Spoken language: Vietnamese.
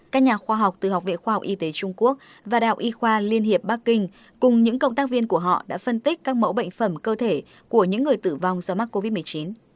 các nhà khoa học từ học viện khoa học y tế trung quốc và đạo y khoa liên hiệp bắc kinh cùng những cộng tác viên của họ đã phân tích các mẫu bệnh phẩm cơ thể của những người tử vong do mắc covid một mươi chín